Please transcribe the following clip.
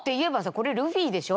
これルフィでしょ？